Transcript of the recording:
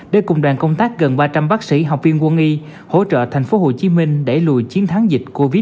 để cùng đoàn công tác gần ba trăm linh bác sĩ học viên quân y hỗ trợ thành phố hồ chí minh đẩy lùi chiến thắng dịch covid một mươi chín